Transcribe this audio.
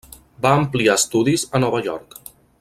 Va ampliar estudis a Nova York.